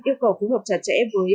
yêu cầu phù hợp trả trẻ với